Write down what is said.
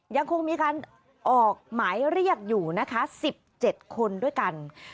ยังคงมีการออกหมายเรียกอยู่นะคะ๑๗คนด้วยกัน